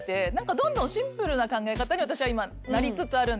どんどんシンプルな考え方に私は今なりつつあるんですけど。